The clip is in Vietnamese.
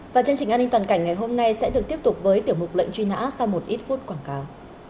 và chương trình an ninh toàn cảnh ngày hôm nay sẽ được tiếp tục với tiểu mục lệnh truy nã sau một ít phút quảng cáo